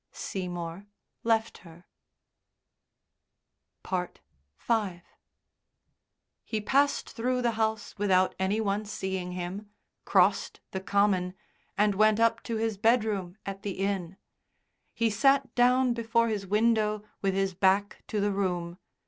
Seymour left her. V He passed through the house without any one seeing him, crossed the common, and went up to his bedroom at the inn. He sat down before his window with his back to the room.